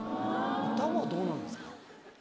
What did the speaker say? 歌もどうなんですか？